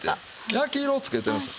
焼き色をつけてるんです。